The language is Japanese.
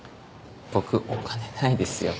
僕お金ないですよ。